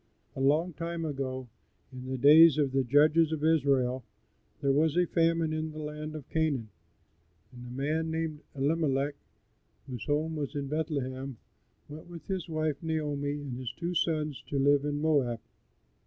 A long time ago, in the days of the judges of Israel, there was a famine in the land of Canaan, and a man named Elimelech, whose home was in Bethlehem, went with his wife Naomi and his two sons to live in Moab.